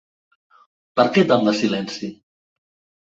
Per què tant de silenci?